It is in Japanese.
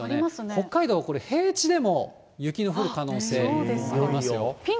北海道、これ平地でも雪の降る可能性ありますよ。